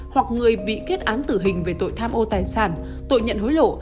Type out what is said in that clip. hoặc người bị kết án tử hình về tội tham ô tài sản tội nhận hối lộ